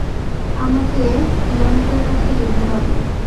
আমাকে তিয়ামুতের কাছে যেতে হবে।